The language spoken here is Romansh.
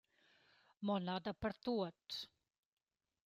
Mo na dapertuot.